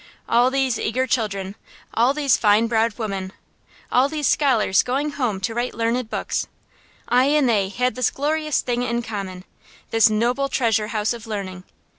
All these eager children, all these fine browed women, all these scholars going home to write learned books I and they had this glorious thing in common, this noble treasure house of learning.